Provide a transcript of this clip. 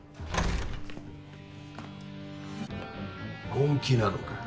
本気なのか？